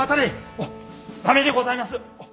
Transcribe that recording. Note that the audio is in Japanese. おっ駄目でございます！